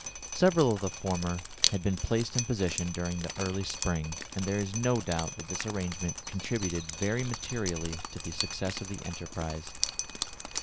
Several of the former had been placed in position during the early spring, and there is no doubt that this arrangement contributed very materially to the success of the enterprise.